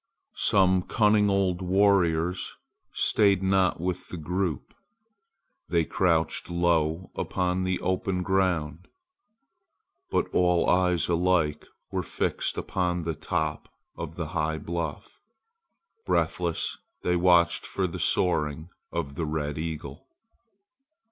Some cunning old warriors stayed not with the group. They crouched low upon the open ground. But all eyes alike were fixed upon the top of the high bluff. Breathless they watched for the soaring of the red eagle.